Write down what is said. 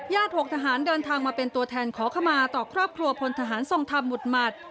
๖ทหารเดินทางมาเป็นตัวแทนขอขมาต่อครอบครัวพลทหารทรงธรรมหุดหมัด